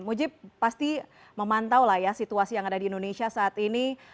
mujib pasti memantau lah ya situasi yang ada di indonesia saat ini